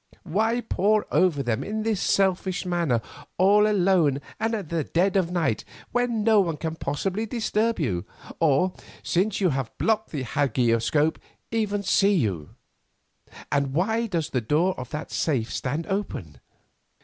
Why pore over them in this selfish manner all alone and at the dead of night when no one can possibly disturb you, or, since you have blocked the hagioscope, even see you? And why does the door of that safe stand open?